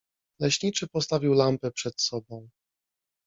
Leśniczy postawił lampę przed sobą.